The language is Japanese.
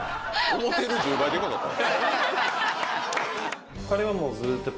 思ってる１０倍でかかったわ。